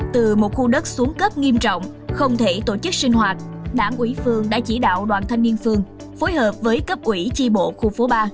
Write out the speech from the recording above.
từ một khu đất xuống cấp nghiêm trọng không thể tổ chức sinh hoạt đảng ủy phương đã chỉ đạo đoàn thanh niên phương phối hợp với cấp ủy chi bộ khu phố ba